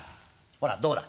ほらどうだ